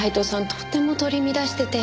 とても取り乱してて。